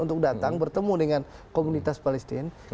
untuk datang bertemu dengan komunitas palestina